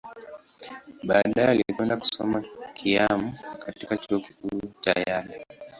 Baadaye, alikwenda kusoma kaimu katika Chuo Kikuu cha Yale.